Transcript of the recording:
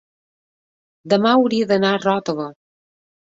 Demà hauria d'anar a Ròtova.